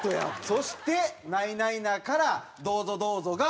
そして『ナイナイナ』から「どうぞ、どうぞ」が。